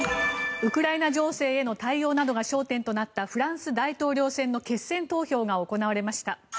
ウクライナ情勢への対応などが焦点となったフランス大統領選の決選投票が行われました。